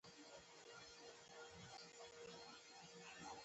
افغانستان د مورغاب سیند له پلوه ډېر متنوع دی.